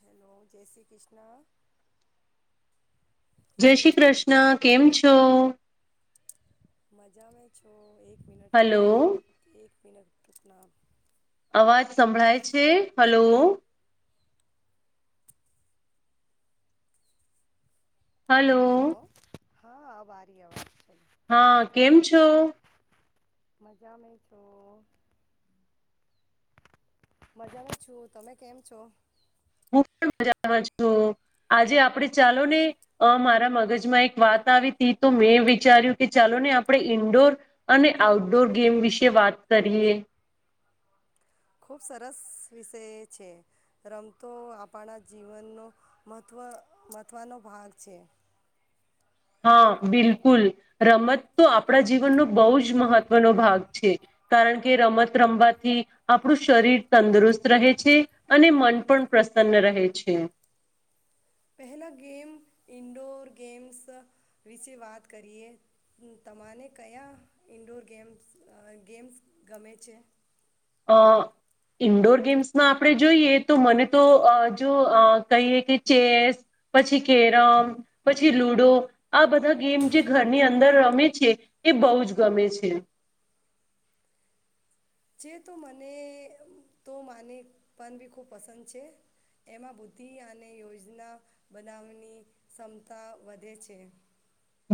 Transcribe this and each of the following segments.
Hello જય શ્રી કૃષ્ણ. જય શ્રી કૃષ્ણ, કેમ છો? મજા મે છો, એક હા હલો એક મિનટ એક એક મિનટ પટના અવાજ સંભળાય છે, હલો? હલો? હેલો હા આ વારી અવા હા કેમ છો? મજામે છો. મજામાં છું, તમે કેમ છો? હું પણ મજામાં છું, આજે આપણે ચાલો ને મારા મગજમાં એક વાત આવી હતી તો મેં વિચાર્યું કે ચાલો ને આપણે ઇન્ડોર અને આઉટડોર ગેમ વિશે વાત કરીએ. ખૂબ સરસ વિષય છે, રમતો આપણા જીવનનો મહત્વ મહત્વનો ભાગ છે. હા બિલકુલ રમત તો આપ આપણા જીવનનું બહુ જ મહત્વ નો ભાગ છે, કારણ કે રમત રમવાથી આપણું શરીર તંદુરસ્ત રહે છે, અને મન પણ પ્રસન્ન રહે છે. પહેલા ગેમ ઇન્ડોર ગેમ્સ વિશે વાત કરીએ તમારે કયા ઇન્ડોર ગેમ્સ ગેમ્સ ગમે છે? અ ઇન્ડોર ગેમ્સમાં આપણે જોઈએ તો મને તો જો અ કહીએ કે ચેસ પછી, કેરમ પછી, લુડો આ બધા ગેમ જે ઘરની અંદર રમે છે એ બહુ જ ગમે છે. જે તો મને તો માને પણન બી ખૂબ પસંદ છે એમાં બુદ્ધિ અને યોજના બનાવવાની ક્ષમતા વધે છે.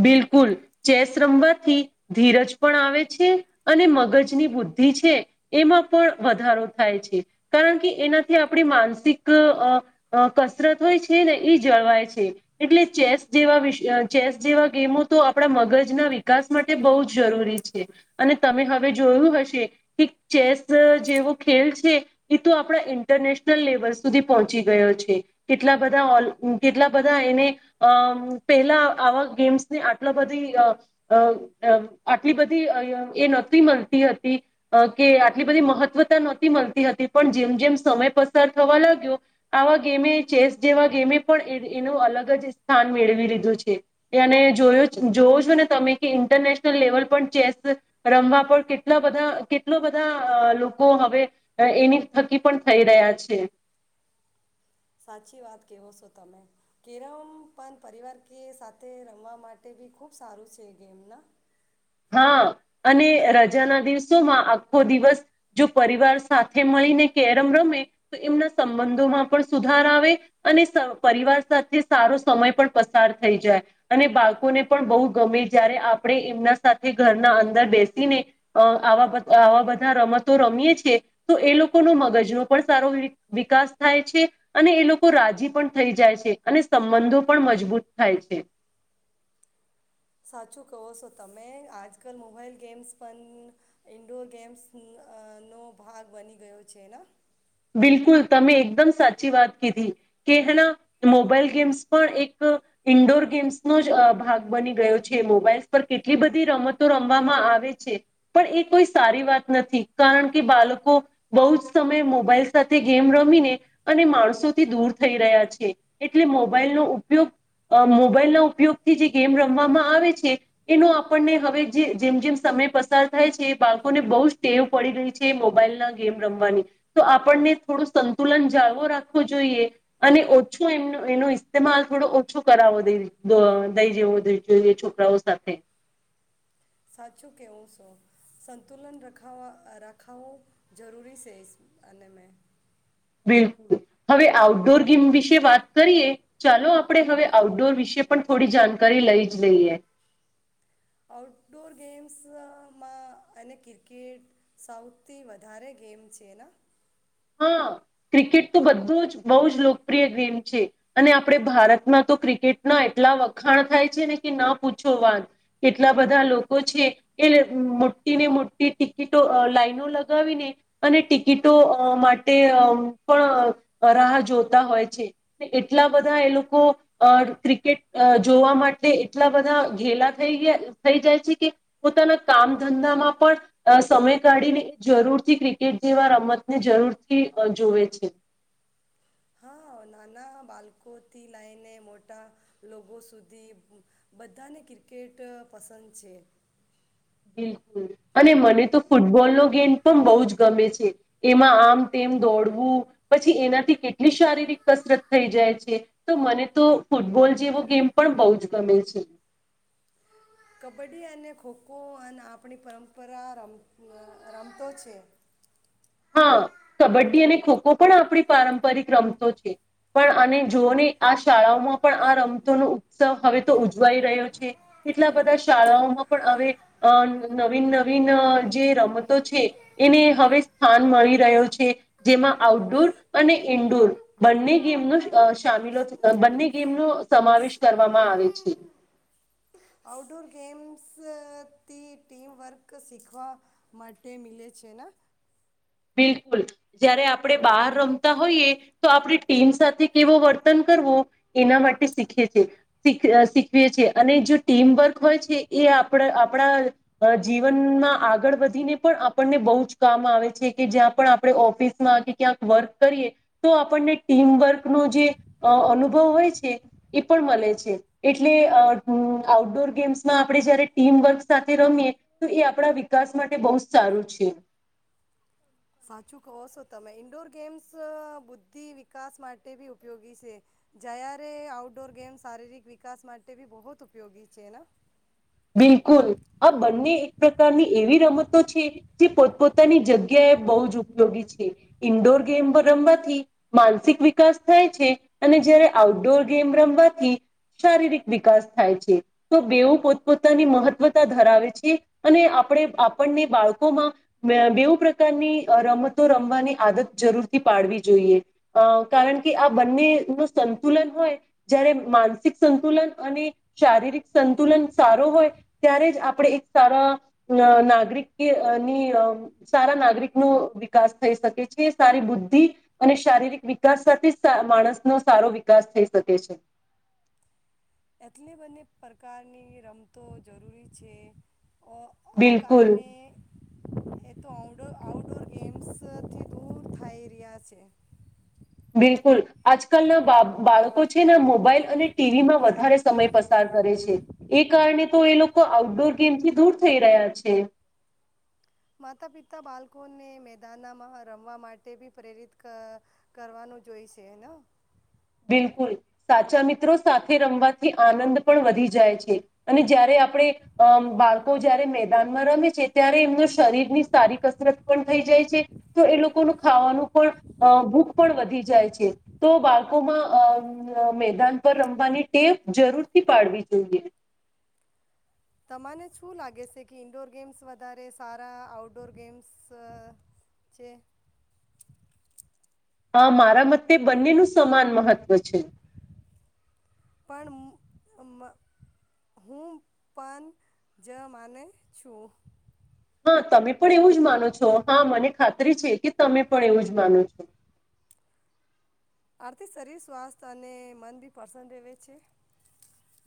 બિલકુલ ચેસ રમવાથી ધીરજ પણ આવે છે, અને મગજની બુદ્ધિ છે એમાં પણ વધારો થાય છે કારણ કે એનાથી આપણી માનસિક કસરત હોય છે ને એ જળવાય છે એટલે ચેસ જેવા વિષ ચેસ જેવા ગેમો તો આપણા મગજના વિકાસ માટે બહુ જ જરૂરી છે અને તમે હવે જોયું હશે કે ચેસ જેવો ખેલ છે એ તો આપણા ઇન્ટરનેશનલ લેવલ સુધી પહોંચી ગયો છે, કેટલા બધા ઓ કેટલા બધા એને પહેલા આવા ગેમ્સને આટ બધી આટલી બધી એ નહોતી મળતી હતી કે આટલી બધી મહત્વતા નહોતી મળતી હતી પણ જેમ જેમ સમય પસાર થવા લાગ્યો આવા ગેમે ચેસ જેવા ગેમે પણ એનું અલગ જ સ્થાન મેળવી લીધું છે. એને જોયો જોવ છો ને તમે કે ઇન્ટરનેશનલ લેવલ પર ચેસ રમવા પર કેટલા બધા કેટલા બધા લોકો હવે એની થકી પણ થઈ રહ્યા છે. સાચી વાત કેવો છો તમે કેરમ પણ પરિવાર કે સાથે રમવા માટે ભી ખુબ સારું છે, એ ગેમ ના હા અને રજાના દિવસોમાં આખો દિવસ જો પરિવાર સાથે મળીને કેરમ રમે તો એમના સંબંધોમાં પણ સુધાર આવે અને પરિવાર સાથે સારો સમય પણ પસાર થઈ જાય અને બાળકોને પણ બહુ ગમે જ્યારે આપણે એમના સાથે ઘરના અંદર બેસીને અ આવા આવા બધા રમતો રમીએ છે તો એ લોકોનો મગજનો પણ સારો વિકાસ થાય છે અને એ લોકો રાજી પણ થઈ જાય છે અને સંબંધો પણ મજબૂત થાય છે. સાચું કહો છો તમે આજકાલ મોબાઈલ ગેમ્સ પણ ઈન્ડોર ગેમ્સ નો ભાગ બની ગયો છે ને? બિલકુલ તમે એકદમ સાચી વાત કીધી કે હેના મોબાઈલ ગેમ્સ પણ એક ઇન્ડોર ગેમ્સનો જ ભાગ બની ગયો છે, મોબાઈલસ પર કેટલી બધી રમતો રમવામાં આવે છે પણ એ કોઈ સારી વાત નથી કારણ કે બાળકો બહુ જ સમયે મો મોબાઈલ સાથે ગેમ રમીને અને માણસોથી દૂર થઈ રહ્યા છે એટલે મોબાઈલનો ઉપયોગ મોબાઈલ ના ઉપયોગથી જે ગેમ રમવામાં આવે છે એનો આપણને હવે જે જેમ જેમ સમય પસાર થાય છે બાળકોને બહુ ટેવ પડી રહી છે મોબાઈલ ના ગેમ રમવાની. તો આપણને થોડું સંતુલન જાળવો રાખવો જોઈએ અને ઓછો એ એનો ઇસ્તેમાલ થોડો ઓછો કરાવો દઈ જવો જોઈએ છોકરાઓ સાથે સાચું કે હું શું સંતુલનખ રાખાવું જરૂરી છે અને મેં બિલકુલ હવે આઉટડોર ગેમ વિશે વાત કરીએ ચાલો આપણે હવે આઉટડોર વિશે પણ થોડી જાણકારી લઈ જ લઈએ. આઉટડોર ગેમ્સમાં એને ક્રિકેટ સૌથી વધારે ગેમ છે. એના હા ક્રિકેટ તો બધું જ બહ જ લોકપ્રિય ગેમ છે અને આપણે ભારતમાં તો ક્રિકેટના એટલા વખાણ થાય છે ને કે ના પૂછો વાન કેટલા બધા લોકો છે એ મોટી ને મોટી ટિકિટો લાઈનો લગાવીને અને ટિકિટો માટે પણ રાહ જોતા હોય છે એટલા બધા એ લોકો ક્રિકેટ જોવા માટે એટલા બધા ઘેલા થઈયા થઈ જાય છે કે પોતાના કામ ધંધામાં પણ સમય કાઢીને જરૂરથી ક્રિકેટ જેવા રમત ને જરૂરથી જોવે છે. હા નાના બાળકોથી લઈને મોટા લોકો સુધી બધાને ક્રિકેટ પસંદ છે. બિલકુલ અને મને તો ફૂટબોલનો ગેમ પણ બહુ જ ગમે છે એમાં આમ તેમ દોડવું પછી એનાથી કેટલી શારીરિક કસરત થઈ જાય છે તો મને તો ફૂટબોલ જેવો ગેમ પણ બહુ જ ગમે છે. કબડ્ડી અને ખોખો આપણી પરંપરા રમ રમતો છે. હા, કબડ્ડી અને ખોખો પણ આપણી પારંપરિક રમતો છે પણ આને જોઓને આ શાળાઓમાં પણ આ રમતોનો ઉત્સવ હવે તો ઉજવાઈ રહ્યો છે કેટલા બધા શાળાઓમાં પણ હવે અ નવીન નવીન જે રમતો છે એને હવે સ્થાન મળી રહ્યો છે જેમાં આઉટડોર અને ઈન્ડોર બંને ગેમનો અ સામીલો બંને ગેમનો સમાવેશ કરવામાં આવે છે. આઉટડોર ગેમ્સથી ટીમવર્ક શીખવા માટે મિલે છે ને? બિલકુલ જ્યારે આપણે બહાર રમતા હોઈએ તો આપણી ટીમ સાથે કેવો વર્તન કરવું એના માટે શીખીએ છીએ શીખ અ શીખવીએ છીએ અને જો ટીમવર્ક હોય છે એ આપડ આપડા અ જીવનના આગળ વધીને પણ આપણને બહુ જ કામ આવે છે. કે જ્યાં પણ આપડે ઓફિસમાં કે ક્યાંક વર્ક કરીએ તો આપણને ટીમવર્કનો જે અ અનુભવ હોય છે એ પણ મલે છે એટલે અ ઉમ આઉટડોર ગેમ્સમાં આપડે જયારે ટીમવર્ક સાથે રમીએ તો એ આપણા વિકાસ માટે બહુ જ સારું છે. સાચું કહો સો તમે ઈન્ડોર ગેમ્સ અ બુદ્ધિ વિકાસ માટે બી ઉપયોગી છે જયારે આઉટડોર ગેમ્સ શારીરિક વિકાસ માટે બી બોહોત ઉપયોગી છે ના. બિલકુલ, આ બંને એક પ્રકારની એવી રમતો છે જે પોતપોતાની જગ્યાએ બહુ જ ઉપયોગી છે ઈન્ડોર ગેમ રમવાથી માનસિક વિકાસ થાય છે અને જયારે આઉટડોર ગેમ રમવાથી શારીરિક વિકાસ થાય છે તો બેવું પોત પોતાની મહત્વતા ધરાવે છે અને આપડે આપણને બાળકોમાં બે બેવું પ્રકારની અ રમતો રમવાની આદત જરૂરથી પાડવી જોઈએ અ કારણ કે આ બંનેનું સંતુલન હોય જ્યારે માનસિક સંતુલન અને શારીરિક સંતુલન સારો હોય ત્યારે જ આપણે એક સારા અ નાગરિકની અ ની અ સારા નાગરિકનો વિકાસ થઈ શકે છે સારી બુદ્ધિ અને શારીરિક વિકાસ સાથે સા માણસનો સારો વિકાસ થઈ શકે છે. એટલી બંને પ્રકારની રમતો જરૂરી છે. અ, આ બિલકુલ કારણે એ તો આઉડોર આઉડોર ગેમ્સથી દૂર થાઈ રહયા છે. બિલકુલ આજકાલના બા બાળકો છે ને મોબાઈલ અને ટીવીમાં વધ ધારે સમય પસાર કરે છે એ કારણે તો એ લોકો આઉટડોર ગેમથી દૂર થઈ રહ્યા છે. માતા-પિતા બાલ્કોને મેદાાનામાં રમવા માટે બી પ્રેરિત ક કરવાનું જોઈસે ના. બિલકુલ, સાચા મિત્રો સાથે રમવાથી આનંદ પણ વધી જાય છે અને જયારે આપણે અ બાળકો જયારે મેદાનમાં રમે છે ત્યારે એમના શરીરની સારી કસરત પણ થઈ જાય છે તો એ લોકોનું ખાવાનું પણ અ ભૂખ પણ વધી જાય છે તો બાલ ળકોમા અમ અ મેદાન પર રમવાની ટેવ જરૂરથી પાડવી જોઈએ. તમાને શું લાગે સે કી ઈન્ડોર ગેમ્સ વધારે સારા આઉટડોર ગેમ્સ અ છે. હા, મારા મત્તે બંનેનું સમાન મહત્ત્વ છે. પણ ઉમ અમ્મ હું પન જ માને છું. હા, તમે પણ એવું જ માનો છો હા મને ખાતરી છે કે તમે પણ એવું જ માનો છો. આરથી શરીર સ્વાસ્થ અને મન બી પર્શન રેવે છે.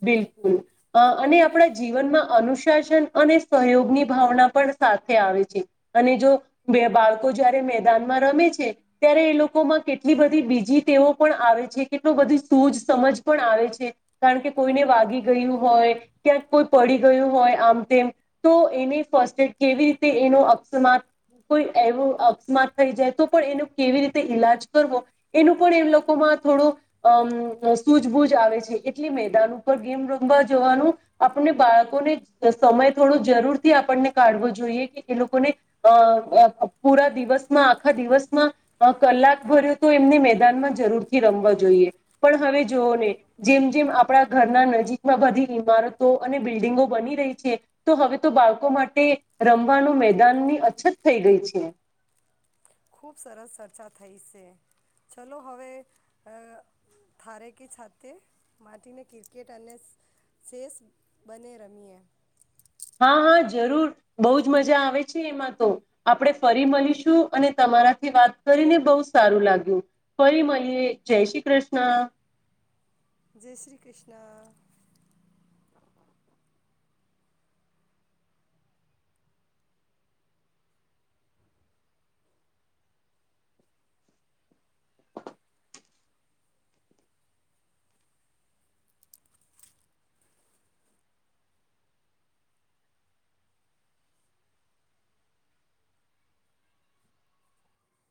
બિલકુલ અ અને આપણા જીવનમાં અનુશાસન અને સહયોગની ભાવના પણ સાથે આવે છે અને જો બે બાળકો જયારે મેદાનમાં રમે છે ત્યારે એ લોકોમાં કેટલી બધી બીજી ટેવો પણ આવે છે કેટલુ બધી સૂજ સમજ પણ આવે છે કારણ કે કોઈને વાગી ગયું હોય, ક્યાંક કોઈ પડી ગયું હોય, આમ તેમ તો એને ફર્સ્ટ એડ કેવી રીતે એનો અકસ્માત કોઈ એવો અકસ્માત થઈ જાય તો પણ એનો કેવી રીતે ઈલાજ કરવો એનું પણ એમ લોકોમાં થોડું અમ સૂઝબૂજ આવે છે એટલી મેં દાન ઉપર ગેમ રમવા જવાનું આપનને બાલ્કોને અ સમય થોડો જરૂરથી આપણને કાઢવો જોઈએ કે એ લોકોને અ અ અ પૂરા દિવસમાં આખા દિવસમાં અ કલાક ભર્યો તો એમને મેદાનમાં જરૂરથી રમવા જોઈએ પણ હવે જોવો ને જેમ જેમ આપ પણા ઘરના નજીકમાં બધી ઈમારતો અને બિલ્ડિંગો બની રહી છે, તો હવે તો બાળકો માટે રમવાનું મેદાનની અછત થઈ ગઈ છે. ખૂબ સરસ ચર્ચા થઈ સે ચલો, હવે અ થારેકી છાતે માટીને કિર્કેટ અને શેસ બને રમીએ. હા હા જરૂર બહુ જ મજા આવે છે એમાં તો આપણે ફરી મલીશું અને તમારાથી વાત કરીને બહુ સારું લાગ્યું ફરી મલીએ જય શ્રી ક્રષ્ન. જય શ્રી ક્રિષ્ના.